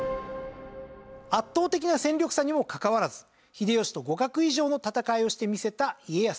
圧倒的な戦力差にもかかわらず秀吉と互角以上の戦いをしてみせた家康。